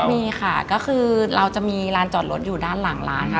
มีค่ะก็คือเราจะมีลานจอดรถอยู่ด้านหลังร้านค่ะ